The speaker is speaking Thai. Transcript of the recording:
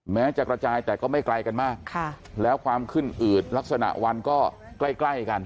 แม้จะกระจายแต่ก็ไม่ไกลกันมากแล้วความขึ้นอืดลักษณะวันก็ใกล้ใกล้กัน